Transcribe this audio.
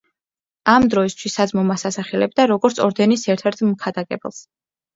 ამ დროისთვის საძმო მას ასახელებდა, როგორც ორდენის ერთ–ერთ მქადაგებელს.